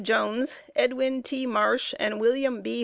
Jones, Edwin T. Marsh and William B.